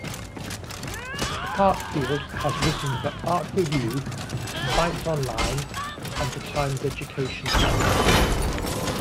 Heartfield has written for "Art Review", Spiked Online, and "The Times Education Supplement".